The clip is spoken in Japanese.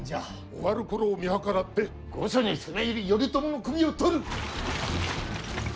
終わるころを見計らって御所に攻め入り頼朝の首を取る！